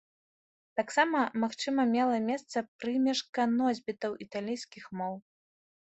Таксама, магчыма мела месца прымешка носьбітаў італійскіх моў.